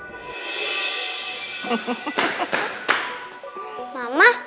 biar hilang selamanya tuh anak